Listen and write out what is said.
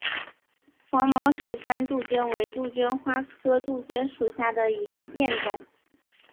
黄毛雪山杜鹃为杜鹃花科杜鹃属下的一个变种。